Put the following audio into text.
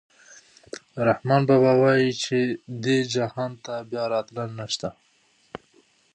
رحمان بابا وايي چې دې جهان ته بیا راتلل نشته.